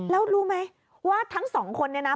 แล้วรู้ไหมว่าทั้งสองคนเนี่ยนะ